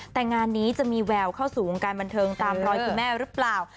แต่งานนี้จะมีแววเข้าสู่วงการบันเทิงตามรอยคุณแม่หรือเปล่า